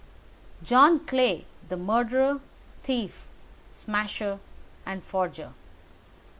"John Clay, the murderer, thief, smasher, and forger.